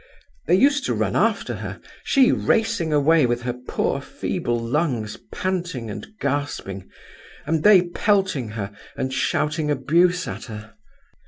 They used to run after her—she racing away with her poor feeble lungs panting and gasping, and they pelting her and shouting abuse at her.